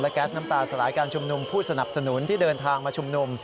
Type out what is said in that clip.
แก๊สน้ำตาสลายการชุมนุมผู้สนับสนุนที่เดินทางมาชุมนุม